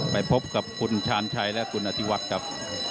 ไปพบกับคุณชาญชัยและคุณอธิวัฒน์ครับ